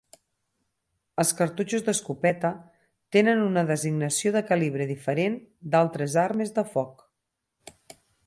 Els cartutxos d'escopeta tenen una designació de calibre diferent d'altres armes de foc.